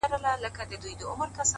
هم په غلاوو کي شریک یې څارنوال وو،